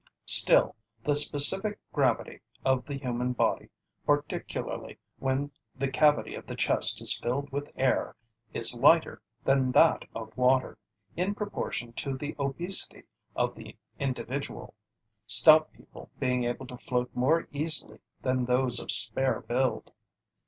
Still, the specific gravity of the human body, particularly when the cavity of the chest is filled with air, is lighter than that of water, in proportion to the obesity of the individual, stout people being able to float more easily than those of spare build.